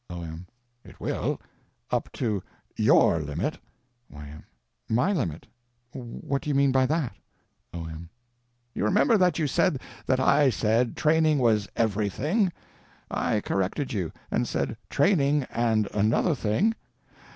O.M. It will. Up to _your _limit. Y.M. My limit? What do you mean by that? O.M. You remember that you said that I said training was everything. I corrected you, and said "training and _another _thing."